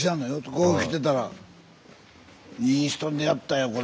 こう来てたらいい人に出会ったよこれ。